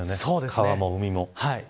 川も海も。